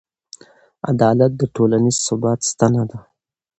عدالت د ټولنیز ثبات ستنه ده.